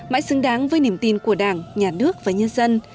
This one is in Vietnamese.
mãi xứng đáng với niềm tin của đảng nhà nước và nhân dân